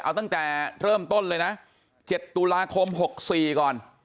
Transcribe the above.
เอาตั้งแต่เทิ่มต้นเลยนะเจ็ดตุลาคมหกสี่ก่อน